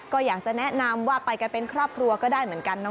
ก็อยากจะแนะนำว่าไปกันเป็นครอบครัวก็ได้เหมือนกัน